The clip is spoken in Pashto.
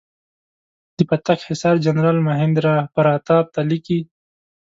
د پتک حصار جنرال مهیندراپراتاپ ته لیکلي.